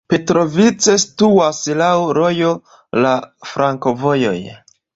Petrovice situas laŭ rojo, laŭ flankovojoj.